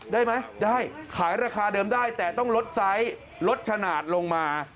ได้ไหมได้ขายราคาเดิมได้แต่ต้องลดไซส์ลดขนาดลงมา